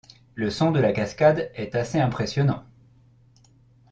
Le son de la cascade est assez impressionnant.